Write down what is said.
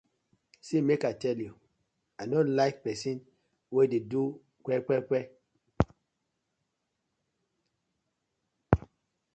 See mek I tell yu, I no like pesin wey de do kwe kwe kwe.